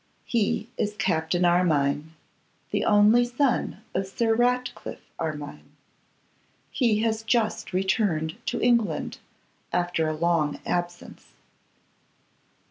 'He is Captain Armine, the only son of Sir Ratcliffe Armine. He has just returned to England after a long absence.